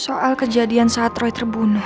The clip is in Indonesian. soal kejadian saat roy terbuna